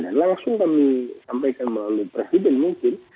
langsung kami sampaikan melalui presiden mungkin